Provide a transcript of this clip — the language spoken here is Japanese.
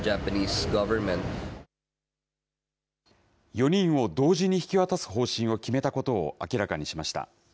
４人を同時に引き渡す方針を決めたことを明らかにしました。